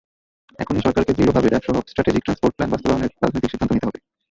এখনই সরকারকে দৃঢ়ভাবে ড্যাপসহ স্ট্র্যাটেজিক ট্রান্সপোর্ট প্ল্যান বাস্তবায়নের রাজনৈতিক সিদ্ধান্ত নিতে হবে।